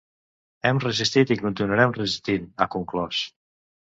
Hem resistit i continuarem resistint, ha conclòs.